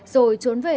rồi chuyển đi